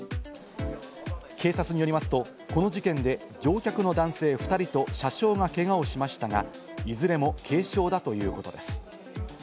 警察によりますと、この事件で乗客の男性２人と車掌が、けがをしましたがいずれも軽傷だということです。